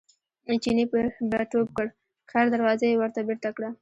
چیني به ټوپ کړ خیر دروازه یې ورته بېرته کړه.